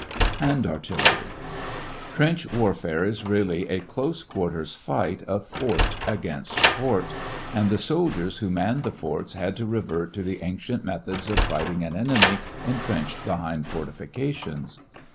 HAND ARTILLERY Trench warfare is really a close quarters fight of fort against fort, and the soldiers who manned the forts had to revert to the ancient methods of fighting an enemy intrenched behind fortifications.